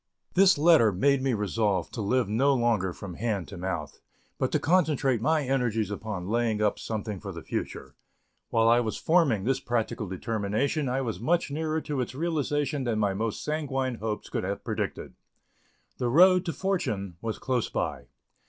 This letter made me resolve to live no longer from hand to mouth, but to concentrate my energies upon laying up something for the future. While I was forming this practical determination I was much nearer to its realization than my most sanguine hopes could have predicted. The road to fortune was close by.